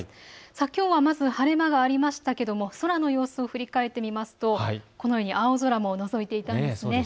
きょうは晴れ間がありましたけれども、空の様子を振り返ってみますと青空ものぞいていたんです。